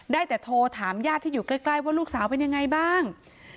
ได้แต่โทรถามญาติที่อยู่ใกล้ว่าลูกสาวเป็นยังไงบ้าง